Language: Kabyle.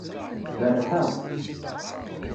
Berrḥeɣ.